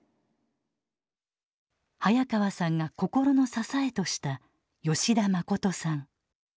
早川さんが心の支えとした吉田信さん。